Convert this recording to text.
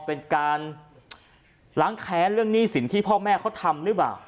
เป็นการล้างแค้นเรื่องหนี้สินที่พ่อแม่เขาทำหรือเปล่า